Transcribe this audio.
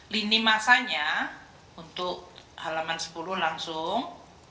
lini masanya untuk halaman sepuluh langsung